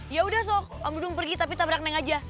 ya udah sok amdung pergi tapi tabrak neng aja